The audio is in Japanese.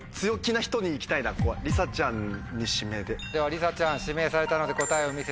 りさちゃん指名されたので答えを見せてください。